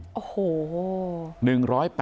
โอ้โห